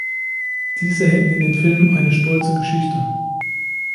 Diese hätten in den Filmen eine „stolze Geschichte“.